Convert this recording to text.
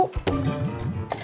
ini pakaian latihan kamu